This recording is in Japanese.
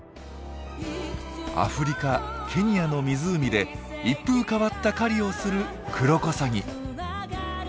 アフリカケニアの湖で一風変わった狩りをするクロコサギ。